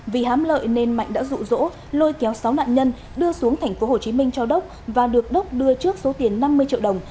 vì hám lợi nên mạnh đã rụ rỗ lôi kéo sáu nạn nhân đưa xuống thành phố hồ chí minh cho đốc và được đốc đưa trước số tiền năm mươi triệu đồng